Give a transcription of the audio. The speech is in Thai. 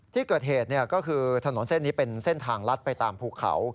ที่เกิดเหตุก็คือถนนเส้นนี้เป็นเส้นทางลัดไปตามภูเขา